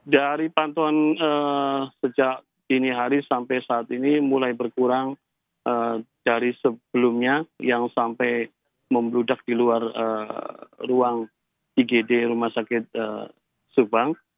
dari pantauan sejak dini hari sampai saat ini mulai berkurang dari sebelumnya yang sampai membludak di luar ruang igd rumah sakit subang